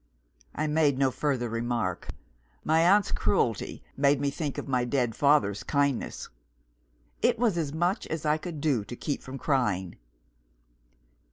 I made no further remark. My aunt's cruelty made me think of my dead father's kindness. It was as much as I could do to keep from crying.